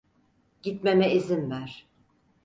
Gitmeme izin ver!